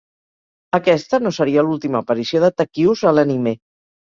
Aquesta no seria l'última aparició de Takius a l'anime.